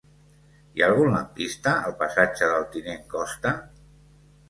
Hi ha algun lampista al passatge del Tinent Costa?